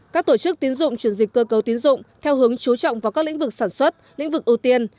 các tổ chức tiến dụng chuyển dịch cơ cấu tiến dụng theo hướng chú trọng vào các lĩnh vực sản xuất lĩnh vực ưu tiên